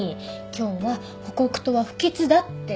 今日は北北東は不吉だって。